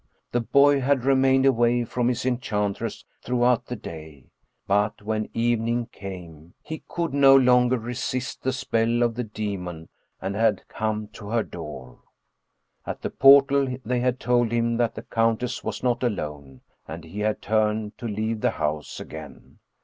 The boy had remained away from his enchantress throughout the day, but when evening came he could no longer resist the spell of the demon and had come to her door. At the portal they had told him that the countess was not alone, and he had turned to leave the house again.